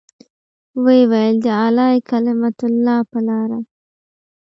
ويې ويل د اعلاى کلمة الله په لاره.